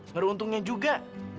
ngeri untungnya juga